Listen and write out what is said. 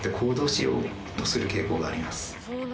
しようとする傾向があります